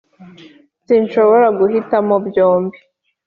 sinshobora guhitamo byombi